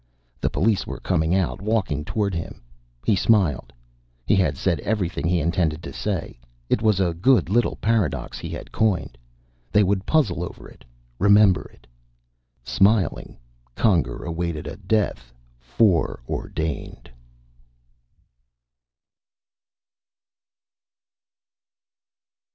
The police were coming out, walking toward him. He smiled. He had said everything he intended to say. It was a good little paradox he had coined. They would puzzle over it, remember it. Smiling, Conger awaited a death foreordained.